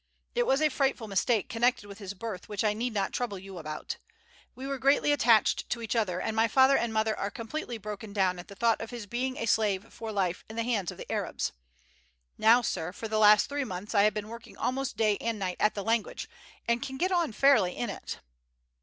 It was a frightful mistake connected with his birth which I need not trouble you about. We were greatly attached to each other, and my father and mother are completely broken down at the thought of his being a slave for life in the hands of the Arabs. Now, sir, for the last three months I have been working almost day and night at the language, and can get on fairly in it."